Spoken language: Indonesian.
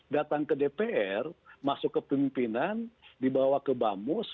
datang ke dpr masuk ke pimpinan dibawa ke bamus